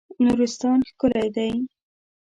نورستان ښکلی دی.